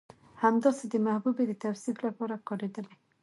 همداسې د محبوبې د توصيف لپاره کارېدلي